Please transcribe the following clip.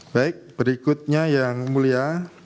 baik berikutnya yang mulia